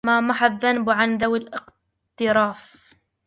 ما محا الذنب عن ذوي الاقتراف